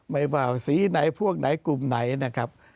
ไม่ว่าสีไหนพวกไหนกลุ่มไหนนะครับ